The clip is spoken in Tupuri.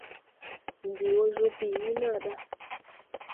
Ndi wɔ joo bii ni da.